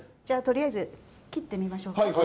じゃあとりあえず切ってみましょうか。